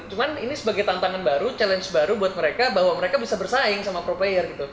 cuman ini sebagai tantangan baru challenge baru buat mereka bahwa mereka bisa bersaing sama pro player gitu